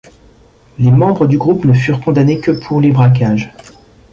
Les membres du groupe ne furent condamnés que pour les braquages.